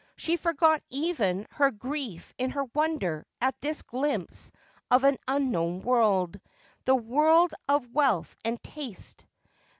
She forgot even her grief in her wonder at this glimpse of an unknown world, the world of wealth and taste.